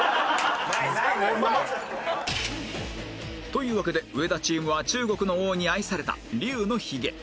というわけで上田チームは中国の王に愛された龍のひげ